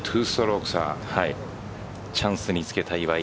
チャンスにつけたい岩井。